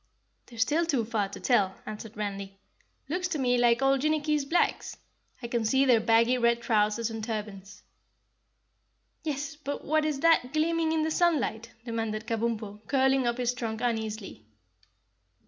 "They're still too far away to tell," answered Randy. "Looks to me like all Jinnicky's blacks; I can see their baggy red trousers and turbans." "Yes, but what's that gleaming in the sunlight?" demanded Kabumpo, curling up his trunk uneasily.